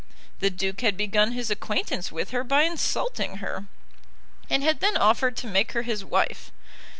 The Duke had begun his acquaintance with her by insulting her, and had then offered to make her his wife.